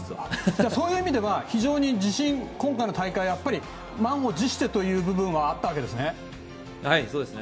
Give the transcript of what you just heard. そういう意味では、非常に今大会は、実は満を持してという部分があったわけですね。